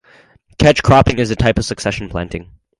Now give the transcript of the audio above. Catch cropping is a type of succession planting.